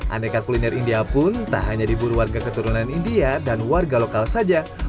aneka kuliner india pun tak hanya di buruan keketurunan india dan warga lokal saja